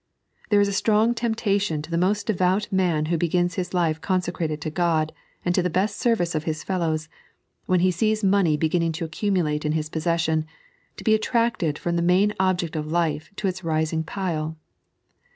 There in a strong temptation to the most devout maa who begins his life consecrated to God and to the beet service of his fellows, when he sees money beginning to accumulate in his possession, to be attracted from the main object of life to bis rising pile.